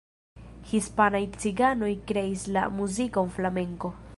Hispanaj ciganoj kreis la muzikon flamenko.